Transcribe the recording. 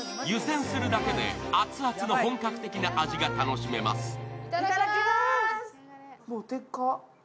湯せんするだけで熱々の本格的な味が楽しめます。